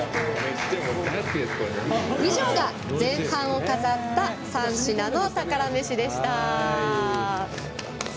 以上が前半を飾った３品の宝メシでした。